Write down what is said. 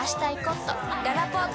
ららぽーと